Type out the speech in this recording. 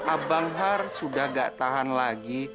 abang har sudah gak tahan lagi